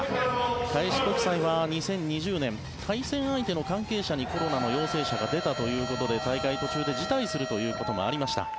開志国際は２０２０年対戦相手の関係者にコロナの陽性者が出たということで大会、途中で辞退するということもありました。